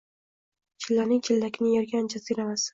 Chillaning chillakini yorgan jaziramasi.